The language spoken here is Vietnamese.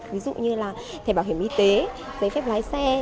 ví dụ như là thẻ bảo hiểm y tế giấy phép lái xe